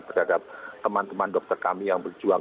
terhadap teman teman dokter kami yang berjuang